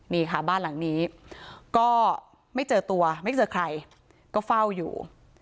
นี่ค่ะบ้านหลังนี้ก็ไม่เจอตัวไม่เจอใครก็เฝ้าอยู่